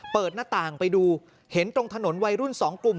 เปิดหน้าต่างไปดูเห็นตรงถนนวัยรุ่นสองกลุ่ม